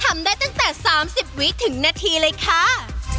ไม่ได้ถึงแค่๓๐วิทยุทธิ์ถึงนาทีเลยค่า